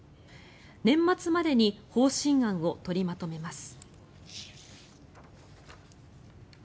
年末までに方針案を取りまとめます。